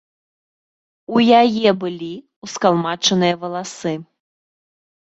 У яе былі ўскалмачаныя валасы.